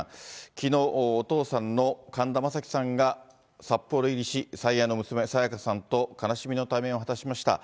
きのう、お父さんの神田正輝さんが札幌入りし、最愛の娘、沙也加さんと悲しみの対面を果たしました。